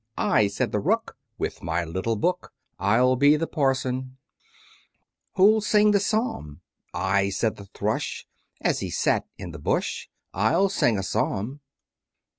I, said the Rook, With my little book, I'll be the Parson. Who'll sing a Psalm? I, said the Thrush, As he sat in the bush, I'll sing a Psalm?